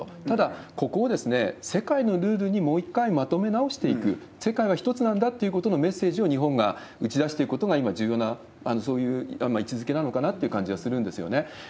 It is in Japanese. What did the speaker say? ただ、ここを世界のルールにもう一回まとめ直していく、世界は一つなんだっていうことを、メッセージを日本が打ち出していくことが今、重要な、そういう位置づけなのかなっていう感じはするんですね。